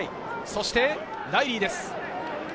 そしてライリーです。